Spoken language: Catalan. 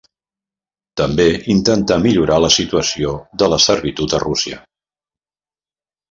També intentà millorar la situació de la servitud a Rússia.